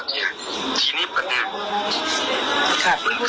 คือว่าทุกอย่างมันจะเข้าจากกรุงศัพท์